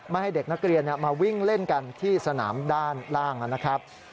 ให้เด็กนักเรียนมาวิ่งเล่นกันที่สนามด้านล่างนะครับ